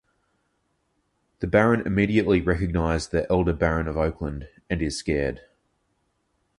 The Baron immediately recognizes the elder Baron of Oakland and is scared.